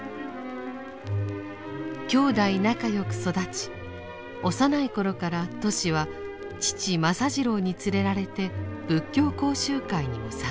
兄妹仲良く育ち幼い頃からトシは父政次郎に連れられて仏教講習会にも参加。